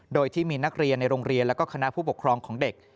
โดยที่มีนักเรียนในโรงเรียนแล้วก็คณะผู้ปกครองของเด็ก